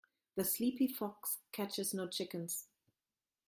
The sleepy fox catches no chickens.